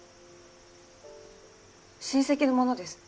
親戚の者です